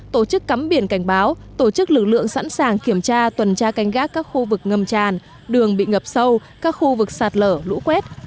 tổ chức cắm biển cảnh báo tổ chức lực lượng sẵn sàng kiểm tra tuần tra canh gác các khu vực ngầm tràn đường bị ngập sâu các khu vực sạt lở lũ quét